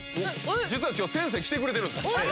実は今日先生来てくれてるんです。